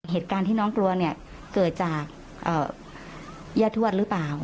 เหตุการณ์ที่น้องกลัวเนี่ยเกิดจากย่าทวดหรือเปล่า